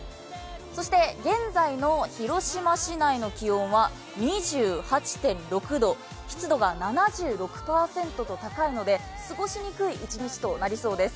そして現在の広島市内の気温は２８．６度、湿度が７６％と高いので過ごしにくい一日となりそうです。